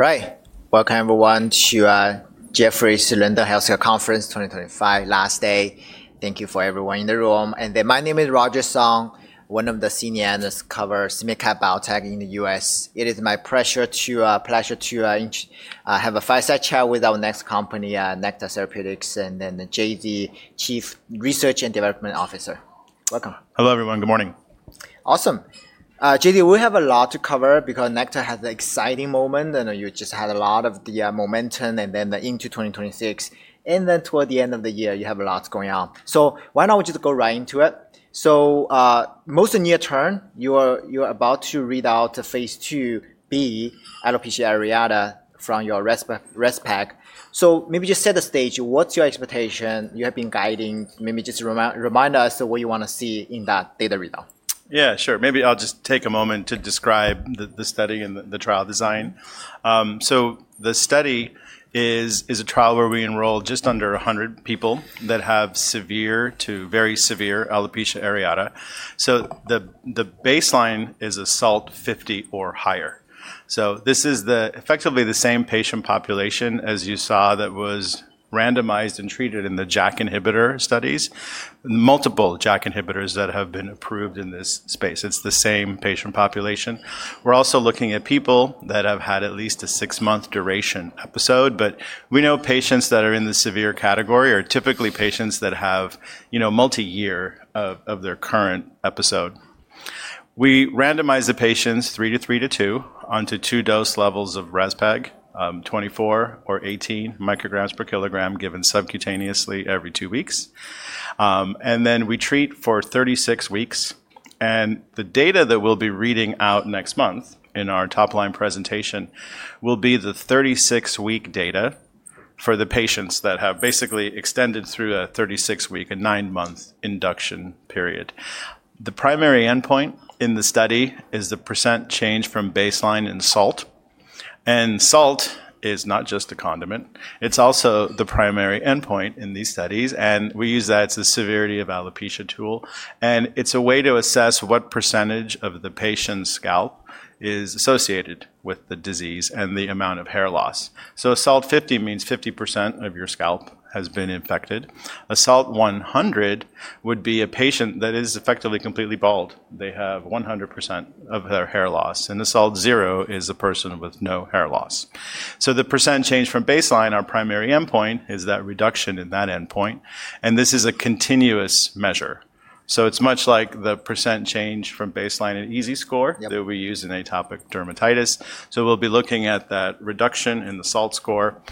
All right. Welcome, everyone, to Jefferies Linda Healthcare Conference 2025, last day. Thank you for everyone in the room. And my name is Roger Song, one of the senior analysts covering biotech in the U.S. It is my pleasure to have a fireside chat with our next company, Nektar Therapeutics, and then JD, Chief Research and Development Officer. Welcome. Hello, everyone. Good morning. Awesome. JD, we have a lot to cover because Nektar has an exciting moment. I know you just had a lot of the momentum and then into 2026. Toward the end of the year, you have a lot going on. Why don't we just go right into it? Most near term, you are about to read out phase 2b, alopecia areata, from your RESPECT. Maybe just set the stage. What's your expectation? You have been guiding. Maybe just remind us what you want to see in that data readout. Yeah, sure. Maybe I'll just take a moment to describe the study and the trial design. The study is a trial where we enroll just under 100 people that have severe to very severe alopecia areata. The baseline is a SALT 50 or higher. This is effectively the same patient population as you saw that was randomized and treated in the JAK inhibitor studies, multiple JAK inhibitors that have been approved in this space. It's the same patient population. We're also looking at people that have had at least a six-month duration episode. We know patients that are in the severe category are typically patients that have multi-year of their current episode. We randomize the patients 3:3:2 onto two dose levels of rezpegaldesleukin, 24 or 18 micrograms per kilogram, given subcutaneously every two weeks. We treat for 36 weeks. The data that we'll be reading out next month in our top-line presentation will be the 36-week data for the patients that have basically extended through a 36-week, a nine-month induction period. The primary endpoint in the study is the % change from baseline in SALT. SALT is not just a condiment. It's also the primary endpoint in these studies. We use that as a Severity of Alopecia Tool, and it's a way to assess what % of the patient's scalp is associated with the disease and the amount of hair loss. SALT 50 means 50% of your scalp has been affected. A SALT 100 would be a patient that is effectively completely bald. They have 100% of their hair loss. A SALT 0 is a person with no hair loss. The percent change from baseline, our primary endpoint, is that reduction in that endpoint. This is a continuous measure. It is much like the percent change from baseline in EASI score that we use in atopic dermatitis. We will be looking at that reduction in the SALT score.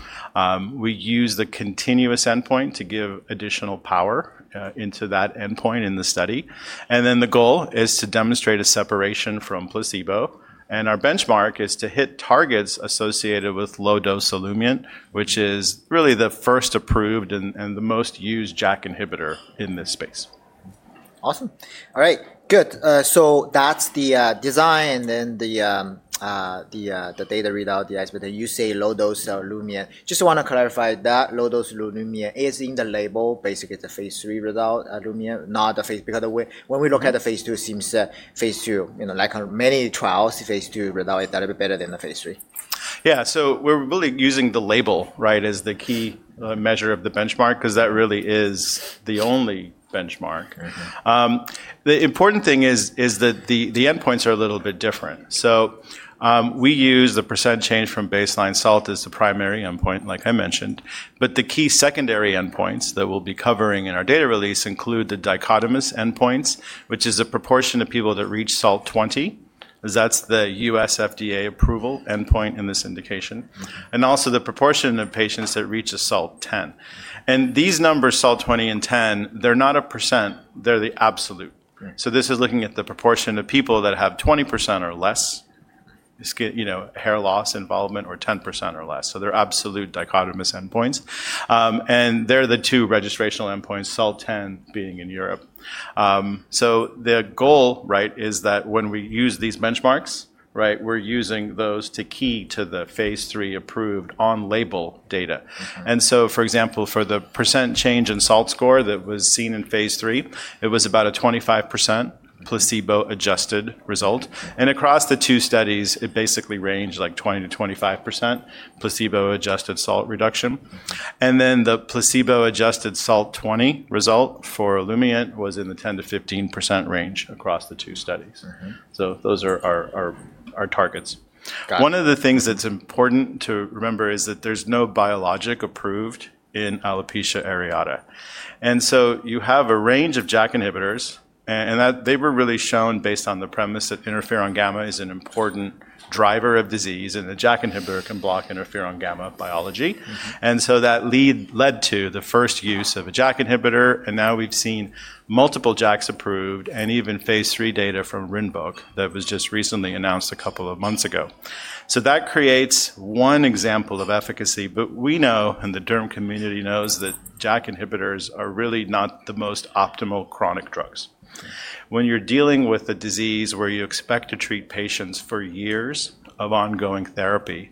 We use the continuous endpoint to give additional power into that endpoint in the study. The goal is to demonstrate a separation from placebo. Our benchmark is to hit targets associated with low-dose Xeljanz, which is really the first approved and the most used JAK inhibitor in this space. Awesome. All right. Good. That is the design and then the data readout, the expectation. You say low-dose salumin. Just want to clarify that low-dose salumin is in the label. Basically, it is a phase III result, salumin, not the phase because when we look at the phase II, it seems phase II, like many trials, phase II result is a little bit better than the phase 3. Yeah. We're really using the label as the key measure of the benchmark because that really is the only benchmark. The important thing is that the endpoints are a little bit different. We use the % change from baseline SALT as the primary endpoint, like I mentioned. The key secondary endpoints that we'll be covering in our data release include the dichotomous endpoints, which is a proportion of people that reach SALT 20, as that's the U.S. FDA approval endpoint in this indication, and also the proportion of patients that reach a SALT 10. These numbers, SALT 20 and 10, they're not a percent. They're the absolute. This is looking at the proportion of people that have 20% or less hair loss involvement or 10% or less. They're absolute dichotomous endpoints. They're the two registrational endpoints, SALT 10 being in Europe. The goal is that when we use these benchmarks, we're using those to key to the phase III approved on-label data. For example, for the % change in SALT score that was seen in phase III, it was about a 25% placebo-adjusted result. Across the two studies, it basically ranged 20%-25% placebo-adjusted SALT reduction. The placebo-adjusted SALT 20 result for salumin was in the 10%-15% range across the two studies. Those are our targets. One of the things that's important to remember is that there's no biologic approved in alopecia areata. You have a range of JAK inhibitors. They were really shown based on the premise that interferon gamma is an important driver of disease, and the JAK inhibitor can block interferon gamma biology. That led to the first use of a JAK inhibitor. Now we've seen multiple JAKs approved and even phase III data from RINVOQ that was just recently announced a couple of months ago. That creates one example of efficacy. We know, and the derm community knows, that JAK inhibitors are really not the most optimal chronic drugs. When you're dealing with a disease where you expect to treat patients for years of ongoing therapy,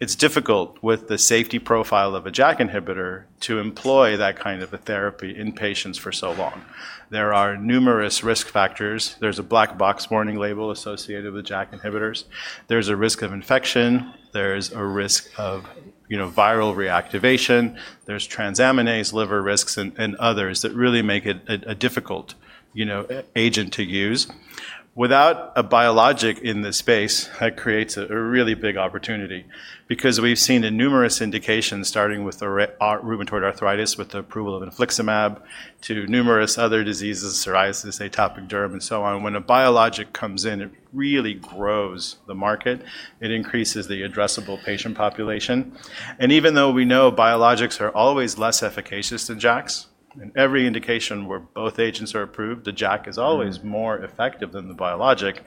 it's difficult with the safety profile of a JAK inhibitor to employ that kind of a therapy in patients for so long. There are numerous risk factors. There's a black box warning label associated with JAK inhibitors. There's a risk of infection. There's a risk of viral reactivation. There's transaminase liver risks and others that really make it a difficult agent to use. Without a biologic in this space, that creates a really big opportunity because we've seen in numerous indications, starting with rheumatoid arthritis with the approval of infliximab to numerous other diseases, psoriasis, atopic derm, and so on. When a biologic comes in, it really grows the market. It increases the addressable patient population. Even though we know biologics are always less efficacious than JAKs, in every indication where both agents are approved, the JAK is always more effective than the biologic.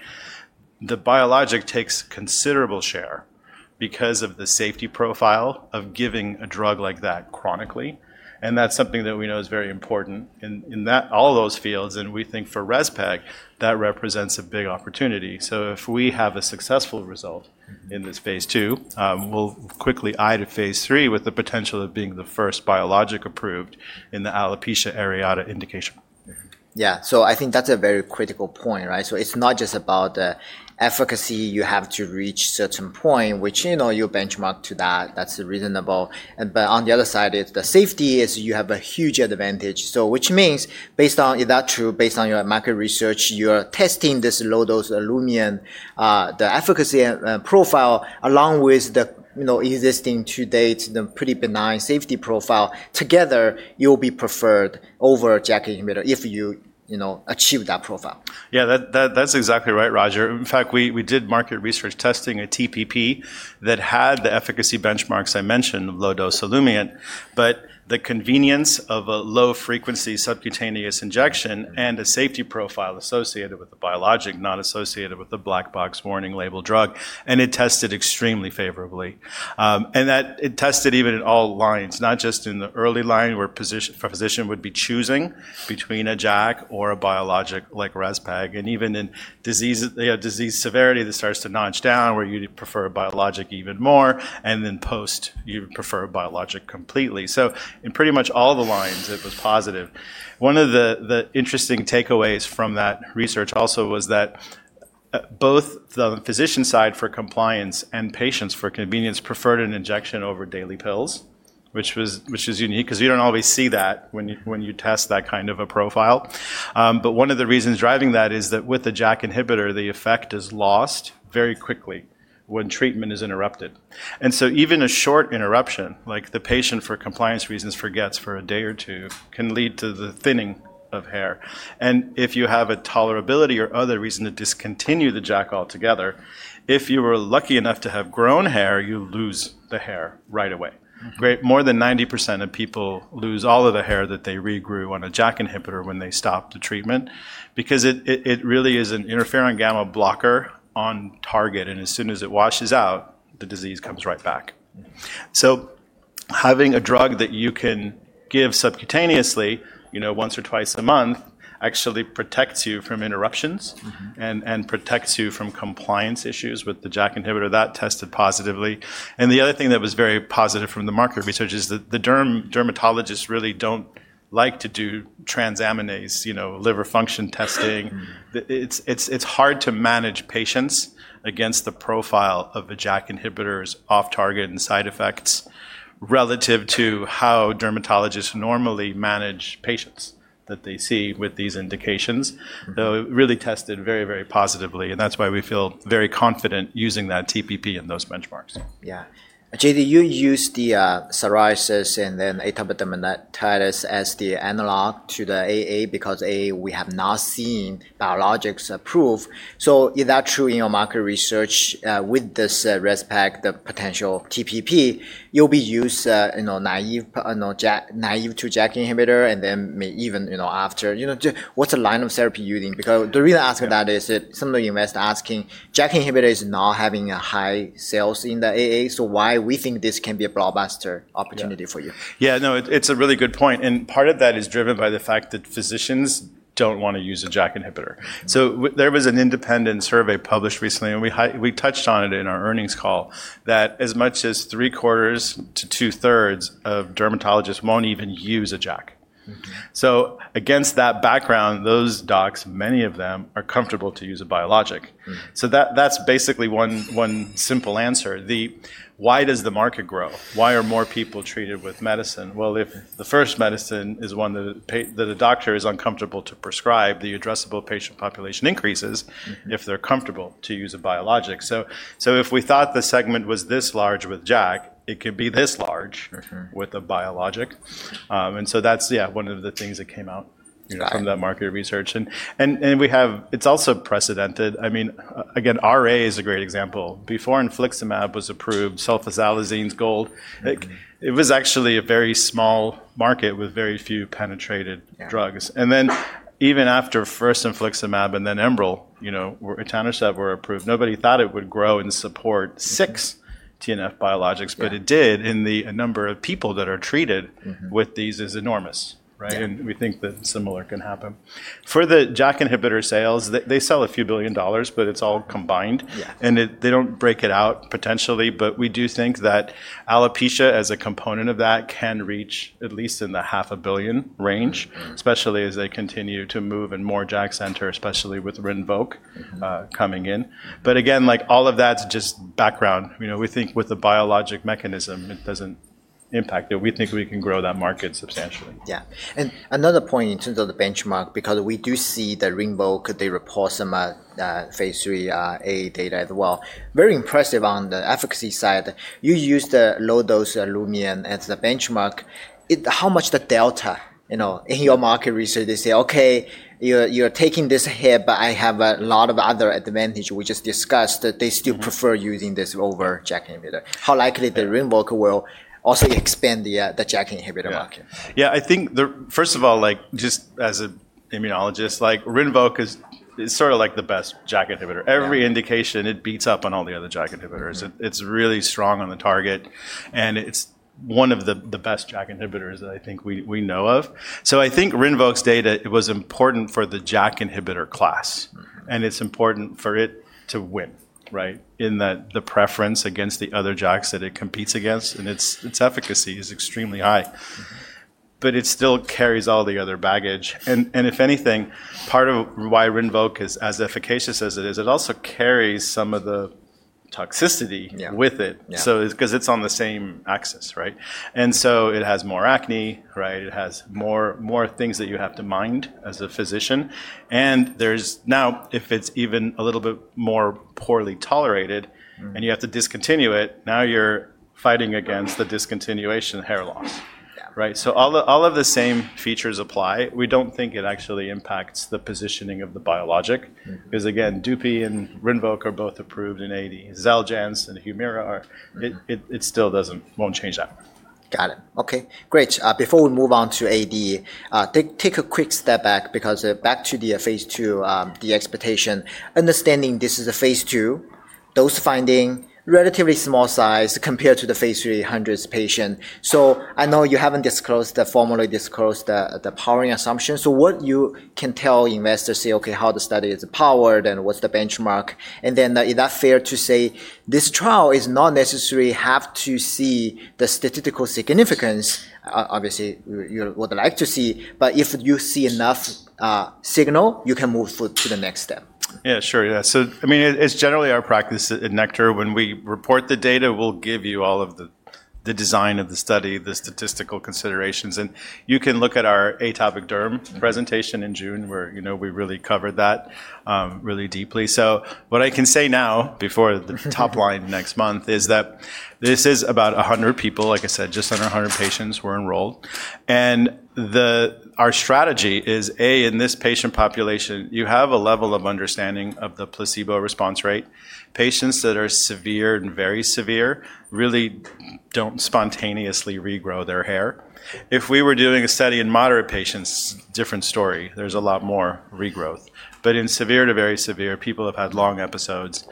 The biologic takes a considerable share because of the safety profile of giving a drug like that chronically. That is something that we know is very important in all those fields. We think for RESPECT, that represents a big opportunity. If we have a successful result in this phase II, we'll quickly eye to phase III with the potential of being the first biologic approved in the alopecia areata indication. Yeah. I think that's a very critical point. It's not just about the efficacy. You have to reach a certain point, which you benchmark to that. That's reasonable. On the other side, the safety is you have a huge advantage. Which means, if that's true, based on your market research, you are testing this low-dose alumin, the efficacy profile along with the existing to date, the pretty benign safety profile. Together, you'll be preferred over a JAK inhibitor if you achieve that profile. Yeah, that's exactly right, Roger. In fact, we did market research testing a TPP that had the efficacy benchmarks I mentioned of low-dose salumin, but the convenience of a low-frequency subcutaneous injection and a safety profile associated with the biologic, not associated with the black box warning label drug. It tested extremely favorably. It tested even in all lines, not just in the early line where a physician would be choosing between a JAK or a biologic like rezpegaldesleukin. Even in disease severity that starts to notch down, where you'd prefer a biologic even more. Post, you'd prefer a biologic completely. In pretty much all the lines, it was positive. One of the interesting takeaways from that research also was that both the physician side for compliance and patients for convenience preferred an injection over daily pills, which is unique because you do not always see that when you test that kind of a profile. One of the reasons driving that is that with a JAK inhibitor, the effect is lost very quickly when treatment is interrupted. Even a short interruption, like the patient for compliance reasons forgets for a day or two, can lead to the thinning of hair. If you have a tolerability or other reason to discontinue the JAK altogether, if you were lucky enough to have grown hair, you lose the hair right away. More than 90% of people lose all of the hair that they regrew on a JAK inhibitor when they stop the treatment because it really is an interferon gamma blocker on target. As soon as it washes out, the disease comes right back. Having a drug that you can give subcutaneously once or twice a month actually protects you from interruptions and protects you from compliance issues with the JAK inhibitor that tested positively. The other thing that was very positive from the market research is that the dermatologists really do not like to do transaminase liver function testing. It is hard to manage patients against the profile of the JAK inhibitors off target and side effects relative to how dermatologists normally manage patients that they see with these indications. It really tested very, very positively. That is why we feel very confident using that TPP and those benchmarks. Yeah. JD, you used the psoriasis and then atopic dermatitis as the analog to the AA because AA, we have not seen biologics approved. Is that true in your market research with this respect, the potential TPP? You'll be used naive to JAK inhibitor and then maybe even after. What's the line of therapy you're using? The reason I ask that is that some of the investors are asking, JAK inhibitor is now having high sales in the AA. Why do we think this can be a blockbuster opportunity for you? Yeah. No, it's a really good point. Part of that is driven by the fact that physicians don't want to use a JAK inhibitor. There was an independent survey published recently. We touched on it in our earnings call that as much as three quarters to two thirds of dermatologists won't even use a JAK. Against that background, those docs, many of them, are comfortable to use a biologic. That's basically one simple answer. Why does the market grow? Why are more people treated with medicine? If the first medicine is one that a doctor is uncomfortable to prescribe, the addressable patient population increases if they're comfortable to use a biologic. If we thought the segment was this large with JAK, it could be this large with a biologic. Yeah, one of the things that came out from that market research. It's also precedented. I mean, again, RA is a great example. Before infliximab was approved, sulfasalazine's gold. It was actually a very small market with very few penetrated drugs. Even after first infliximab and then Enbrel or etanercept were approved, nobody thought it would grow and support six TNF biologics. It did in the number of people that are treated with these is enormous. We think that similar can happen. For the JAK inhibitor sales, they sell a few billion dollars, but it's all combined. They do not break it out potentially. We do think that alopecia as a component of that can reach at least in the $500 million range, especially as they continue to move and more JAK center, especially with RINVOQ coming in. All of that's just background. We think with the biologic mechanism, it doesn't impact it. We think we can grow that market substantially. Yeah. Another point in terms of the benchmark, because we do see that RINVOQ, they report some phase II AA data as well. Very impressive on the efficacy side. You used the low-dose Olumiant as the benchmark. How much the delta in your market research, they say, OK, you're taking this here, but I have a lot of other advantages we just discussed that they still prefer using this over JAK inhibitor. How likely that RINVOQ will also expand the JAK inhibitor market? Yeah. I think, first of all, just as an immunologist, RINVOQ is sort of like the best JAK inhibitor. Every indication, it beats up on all the other JAK inhibitors. It's really strong on the target. And it's one of the best JAK inhibitors that I think we know of. I think RINVOQ's data was important for the JAK inhibitor class. It's important for it to win in the preference against the other JAKs that it competes against. Its efficacy is extremely high. It still carries all the other baggage. If anything, part of why RINVOQ is as efficacious as it is, it also carries some of the toxicity with it because it's on the same axis. It has more acne. It has more things that you have to mind as a physician. If it's even a little bit more poorly tolerated and you have to discontinue it, now you're fighting against the discontinuation of hair loss. All of the same features apply. We don't think it actually impacts the positioning of the biologic because, again, Dupixent and RINVOQ are both approved in atopic dermatitis. Xeljanz and Humira, it still won't change that. Got it. OK, great. Before we move on to AD, take a quick step back because back to the phase II, the expectation, understanding this is a phase II, dose finding, relatively small size compared to the phase III hundreds patient. I know you haven't formally disclosed the powering assumption. What you can tell investors, say, OK, how the study is powered and what's the benchmark? Is that fair to say this trial does not necessarily have to see the statistical significance? Obviously, you would like to see. If you see enough signal, you can move to the next step. Yeah, sure. Yeah. I mean, it's generally our practice at Nektar. When we report the data, we'll give you all of the design of the study, the statistical considerations. You can look at our atopic derm presentation in June where we really covered that really deeply. What I can say now before the top line next month is that this is about 100 people, like I said, just under 100 patients were enrolled. Our strategy is, A, in this patient population, you have a level of understanding of the placebo response rate. Patients that are severe and very severe really don't spontaneously regrow their hair. If we were doing a study in moderate patients, different story. There's a lot more regrowth. In severe to very severe, people have had long episodes.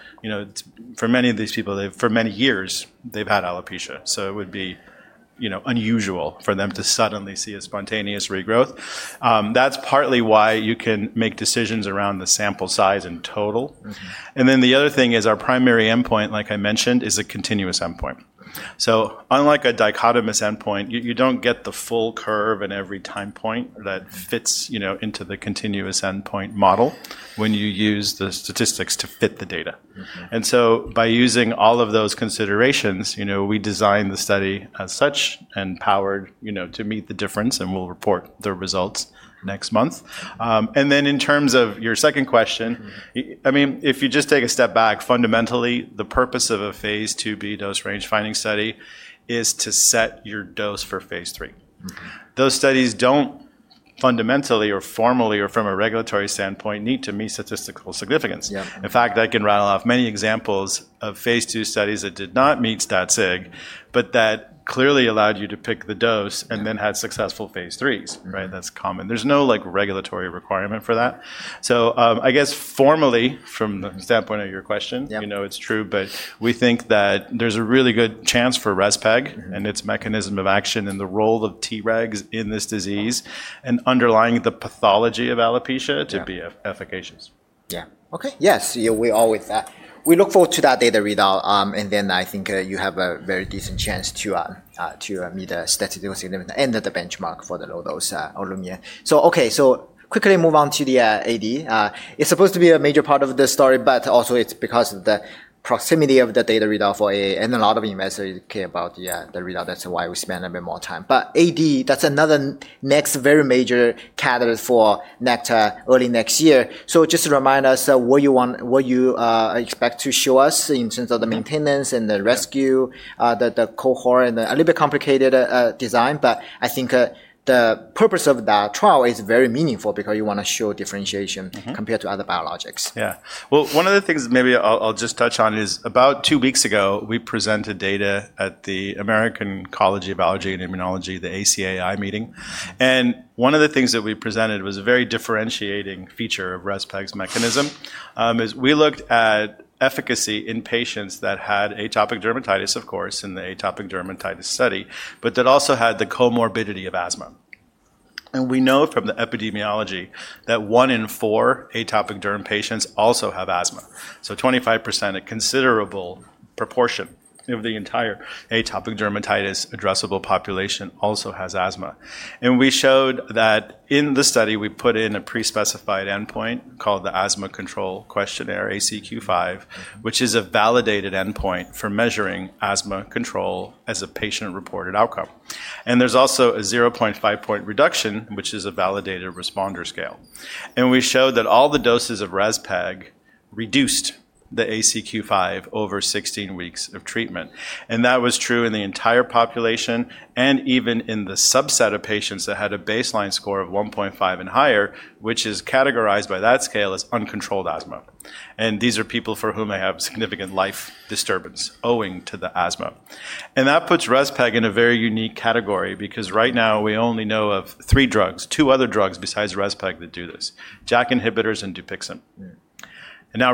For many of these people, for many years, they've had alopecia. It would be unusual for them to suddenly see a spontaneous regrowth. That's partly why you can make decisions around the sample size and total. The other thing is our primary endpoint, like I mentioned, is a continuous endpoint. Unlike a dichotomous endpoint, you do not get the full curve and every time point that fits into the continuous endpoint model when you use the statistics to fit the data. By using all of those considerations, we designed the study as such and powered to meet the difference. We will report the results next month. In terms of your second question, I mean, if you just take a step back, fundamentally, the purpose of a phase 2B dose range finding study is to set your dose for phase II. Those studies do not fundamentally or formally or from a regulatory standpoint need to meet statistical significance. In fact, I can rattle off many examples of phase II studies that did not meet stat-sig, but that clearly allowed you to pick the dose and then had successful phase 3s. That is common. There is no regulatory requirement for that. I guess formally, from the standpoint of your question, it is true. We think that there is a really good chance for rezpegaldesleukin and its mechanism of action and the role of Tregs in this disease and underlying the pathology of alopecia to be efficacious. Yeah. OK. Yes, we're all with that. We look forward to that data readout. I think you have a very decent chance to meet the statistical significance and the benchmark for the low-dose alumim. OK, quickly move on to the AD. It's supposed to be a major part of the story. Also, it's because of the proximity of the data readout for AA. A lot of investors care about the readout. That's why we spend a bit more time. AD, that's another next very major catalyst for Nektar early next year. Just to remind us, what do you expect to show us in terms of the maintenance and the rescue, the cohort and a little bit complicated design? I think the purpose of that trial is very meaningful because you want to show differentiation compared to other biologics. Yeah. One of the things maybe I'll just touch on is about two weeks ago, we presented data at the American College of Allergy and Immunology, the ACAI meeting. One of the things that we presented was a very differentiating feature of rezpegaldesleukin's mechanism. We looked at efficacy in patients that had atopic dermatitis, of course, in the atopic dermatitis study, but that also had the comorbidity of asthma. We know from the epidemiology that one in four atopic derm patients also have asthma. So 25%, a considerable proportion of the entire atopic dermatitis addressable population also has asthma. We showed that in the study, we put in a pre-specified endpoint called the Asthma Control Questionnaire, ACQ5, which is a validated endpoint for measuring asthma control as a patient-reported outcome. There is also a 0.5-point reduction, which is a validated responder scale. We showed that all the doses of RESPECT reduced the ACQ5 over 16 weeks of treatment. That was true in the entire population and even in the subset of patients that had a baseline score of 1.5 and higher, which is categorized by that scale as uncontrolled asthma. These are people for whom they have significant life disturbance owing to the asthma. That puts RESPECT in a very unique category because right now, we only know of three drugs, two other drugs besides RESPECT that do this: JAK inhibitors and Dupixent. Now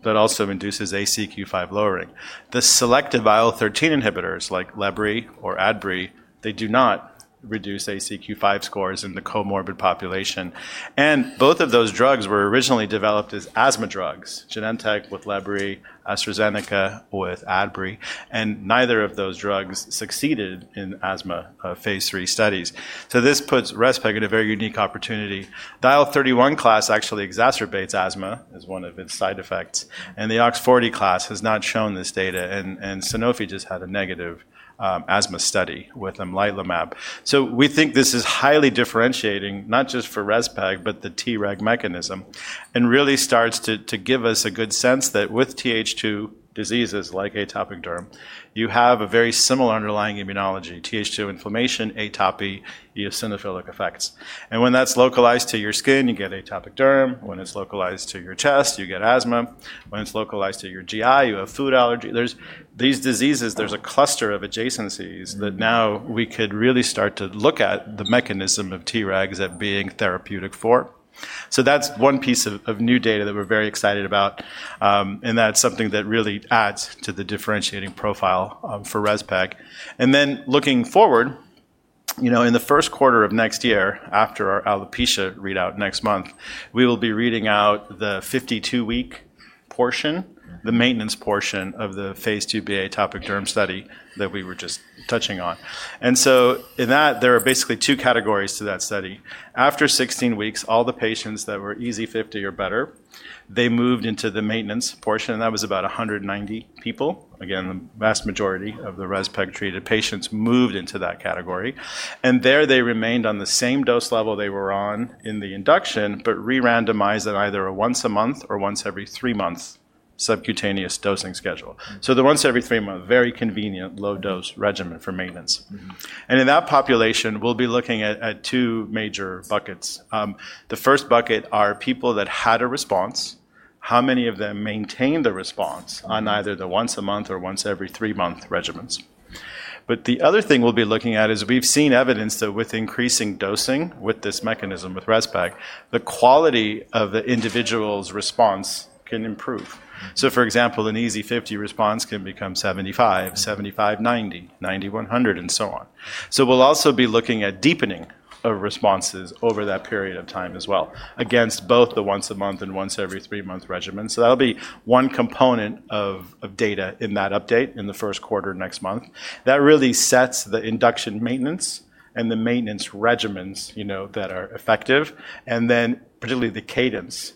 RESPECT also induces ACQ5 lowering. The selective IL-13 inhibitors like Lebrikizumab or Adbry do not reduce ACQ5 scores in the comorbid population. Both of those drugs were originally developed as asthma drugs: Genentech with Lebrikizumab, AstraZeneca with Adbry. Neither of those drugs succeeded in asthma phase III studies. This puts RESPECT in a very unique opportunity. The IL-31 class actually exacerbates asthma as one of its side effects. The OX40 class has not shown this data. Sanofi just had a negative asthma study with amlitelimab. We think this is highly differentiating, not just for RESPECT, but the Treg mechanism and really starts to give us a good sense that with TH2 diseases like atopic derm, you have a very similar underlying immunology: TH2 inflammation, atopy, eosinophilic effects. When that's localized to your skin, you get atopic derm. When it's localized to your chest, you get asthma. When it's localized to your GI, you have food allergy. These diseases, there's a cluster of adjacencies that now we could really start to look at the mechanism of Tregs being therapeutic for. That's one piece of new data that we're very excited about. That is something that really adds to the differentiating profile for rezpegaldesleukin. Looking forward, in the first quarter of next year, after our alopecia areata readout next month, we will be reading out the 52-week portion, the maintenance portion of the phase 2b atopic dermatitis study that we were just touching on. In that, there are basically two categories to that study. After 16 weeks, all the patients that were EASI 50 or better moved into the maintenance portion. That was about 190 people. Again, the vast majority of the rezpegaldesleukin-treated patients moved into that category. There they remained on the same dose level they were on in the induction, but re-randomized at either a once-a-month or once-every-three-month subcutaneous dosing schedule. The once-every-three-month, very convenient low-dose regimen for maintenance. In that population, we will be looking at two major buckets. The first bucket are people that had a response. How many of them maintained the response on either the once-a-month or once-every-three-month regimens? The other thing we'll be looking at is we've seen evidence that with increasing dosing with this mechanism, with rezpegaldesleukin, the quality of the individual's response can improve. For example, an EASI 50 response can become 75, 75, 90, 90, 100, and so on. We'll also be looking at deepening of responses over that period of time as well against both the once-a-month and once-every-three-month regimens. That'll be one component of data in that update in the first quarter next month. That really sets the induction maintenance and the maintenance regimens that are effective, and then particularly the cadence.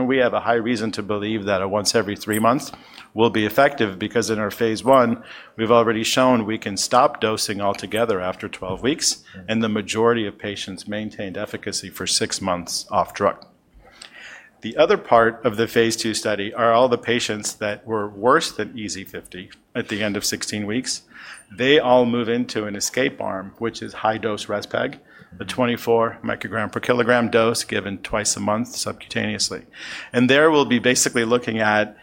We have a high reason to believe that a once-every-three-month will be effective because in our phase I, we've already shown we can stop dosing altogether after 12 weeks. The majority of patients maintained efficacy for six months off drug. The other part of the phase II study are all the patients that were worse than EASI 50 at the end of 16 weeks. They all move into an escape arm, which is high-dose rezpegaldesleukin, a 24 microgram per kilogram dose given twice a month subcutaneously. There we'll be basically looking at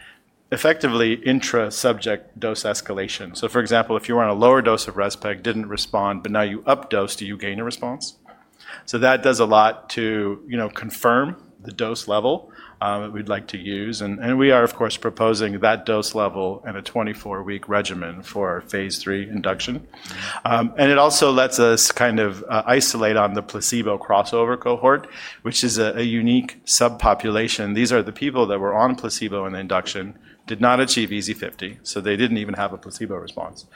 effectively intra-subject dose escalation. For example, if you were on a lower dose of rezpegaldesleukin, did not respond, but now you updose, do you gain a response? That does a lot to confirm the dose level we'd like to use. We are, of course, proposing that dose level and a 24-week regimen for our phase III induction. It also lets us kind of isolate on the placebo crossover cohort, which is a unique subpopulation. These are the people that were on placebo and induction did not achieve EASI 50. They did not even have a placebo response.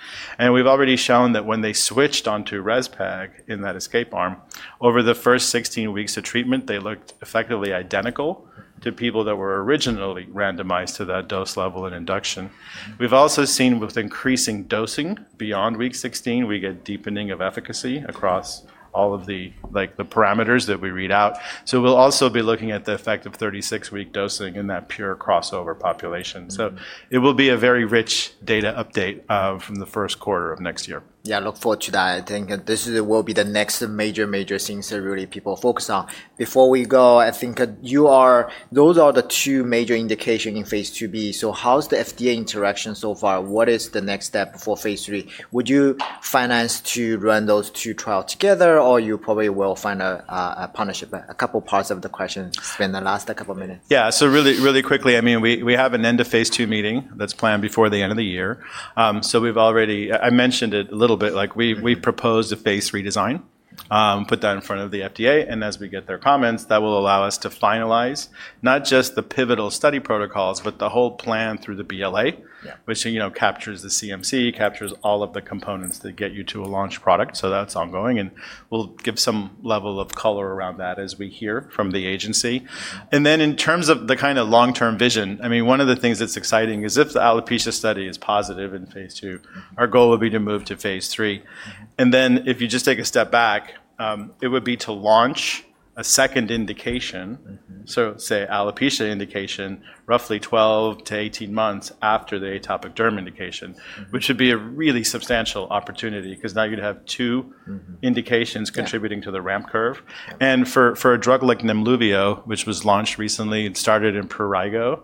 We have already shown that when they switched onto rezpegaldesleukin in that escape arm, over the first 16 weeks of treatment, they looked effectively identical to people that were originally randomized to that dose level and induction. We have also seen with increasing dosing beyond week 16, we get deepening of efficacy across all of the parameters that we read out. We will also be looking at the effect of 36-week dosing in that pure crossover population. It will be a very rich data update from the first quarter of next year. Yeah, look forward to that. I think this will be the next major, major things that really people focus on. Before we go, I think those are the two major indications in phase 2B. How's the FDA interaction so far? What is the next step for phase III? Would you finance to run those two trials together, or you probably will find a partnership? A couple of parts of the question spend the last couple of minutes. Yeah, so really, really quickly, I mean, we have an end of phase II meeting that's planned before the end of the year. I mentioned it a little bit. We propose a phase III design, put that in front of the FDA. As we get their comments, that will allow us to finalize not just the pivotal study protocols, but the whole plan through the BLA, which captures the CMC, captures all of the components to get you to a launch product. That's ongoing. We'll give some level of color around that as we hear from the agency. In terms of the kind of long-term vision, I mean, one of the things that's exciting is if the alopecia study is positive in phase II, our goal would be to move to phase III. If you just take a step back, it would be to launch a second indication, so say alopecia indication, roughly 12-18 months after the atopic derm indication, which would be a really substantial opportunity because now you'd have two indications contributing to the ramp curve. For a drug like rezpegaldesleukin, which was launched recently, it started in prurigo.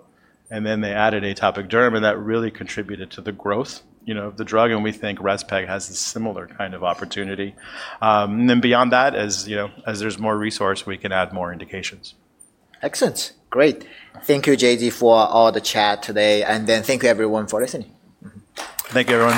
Then they added atopic derm. That really contributed to the growth of the drug. We think rezpegaldesleukin has a similar kind of opportunity. Beyond that, as there's more resource, we can add more indications. Excellent. Great. Thank you, JD, for all the chat today. Thank you, everyone, for listening. Thank you, everyone.